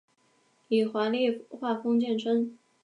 以华丽画风见称。